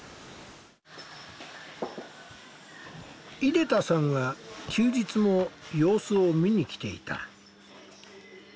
出田さんは休日も様子を見に来ていた。